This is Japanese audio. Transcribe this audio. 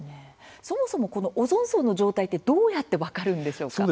そもそもこのオゾン層の状態ってどうやって分かるんでしょうか？